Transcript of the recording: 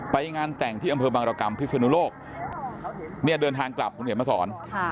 ไปงานแต่งที่อำเภอบังรกรรมพิศนุโลกเนี่ยเดินทางกลับคุณเขียนมาสอน